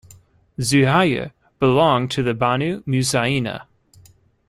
Zuhayr belonged to the Banu Muzaina.